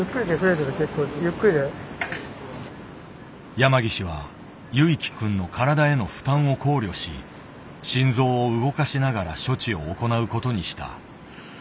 山岸はゆいきくんの体への負担を考慮し心臓を動かしながら処置を行うことにした。